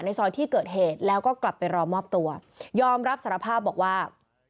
ซอยที่เกิดเหตุแล้วก็กลับไปรอมอบตัวยอมรับสารภาพบอกว่า